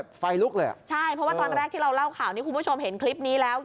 ไฟลุกเลยอ่ะใช่เพราะว่าตอนแรกที่เราเล่าข่าวนี้คุณผู้ชมเห็นคลิปนี้แล้ว